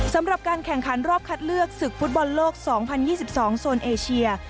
สำหรับการแข่งขันรอบคัดเลือกศึกฟุตบอลโลก๒๐๒๒โซนเอเชีย